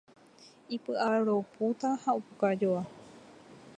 Ipy'aropúta ha opukajoa